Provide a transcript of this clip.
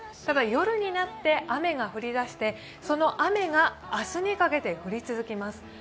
ただ、夜になって雨が降りだしてその雨が明日にかけて降り続きます。